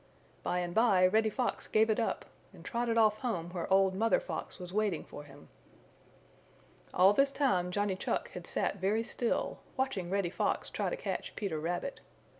By and by Reddy Fox gave it up and trotted off home where old Mother Fox was waiting for him. All this time Johnny Chuck had sat very still, watching Reddy Fox try to catch Peter Rabbit.